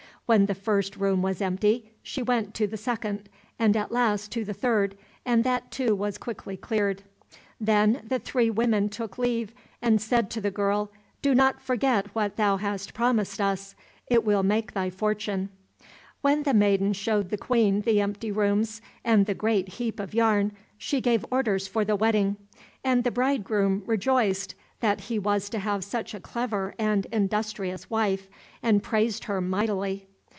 When the first room was empty she went to the second, and at last to the third, and that too was quickly cleared. Then the three women took leave and said to the girl, "Do not forget what thou hast promised us,—it will make thy fortune." When the maiden showed the Queen the empty rooms, and the great heap of yarn, she gave orders for the wedding, and the bridegroom rejoiced that he was to have such a clever and industrious wife, and praised her mightily.